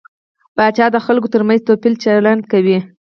پاچا د خلکو تر منځ توپيري چلند کوي .